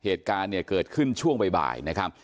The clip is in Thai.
เหตุการณ์เนี่ยเกิดขึ้นช่วงบ่ายนะครับ